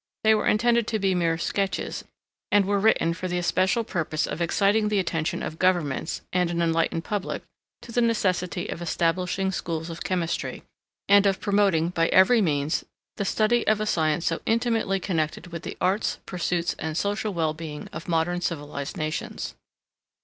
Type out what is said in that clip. They were intended to be mere sketches, and were written for the especial purpose of exciting the attention of governments, and an enlightened public, to the necessity of establishing Schools of Chemistry, and of promoting, by every means, the study of a science so intimately connected with the arts, pursuits, and social well being of modern civilised nations.